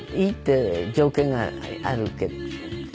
いいって条件があるけど。